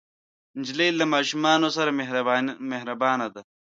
نجلۍ له ماشومانو سره مهربانه ده.